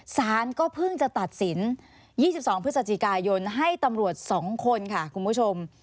สารก็เพิ่งจะตัดสิน๒๒พฤศจิกายนให้ตำรวจ๒คนค่ะคุณผู้ชม